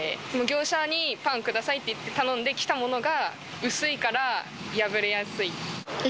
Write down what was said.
業者にパンくださいって言って、頼んで来たものが薄いから破れやすい。